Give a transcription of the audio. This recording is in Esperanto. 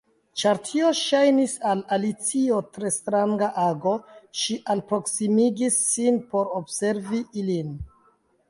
Ĉar tio ŝajnis al Alicio tre stranga ago, ŝi alproksimigis sin por observi ilin.